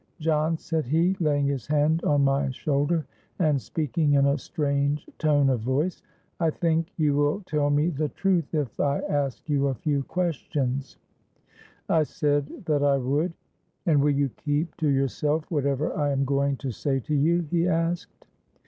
'John,' said he, laying his hand on my shoulder, and speaking in a strange tone of voice, 'I think you will tell me the truth, if I ask you a few questions,'—I said that I would.—'And will you keep to yourself whatever I am going to say to you?' he asked.